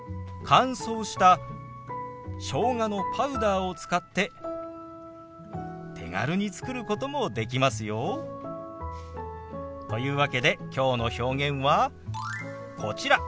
乾燥したしょうがのパウダーを使って手軽に作ることもできますよ。というわけできょうの表現はこちら。